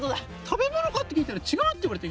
食べ物かって聞いたら違うって言われた。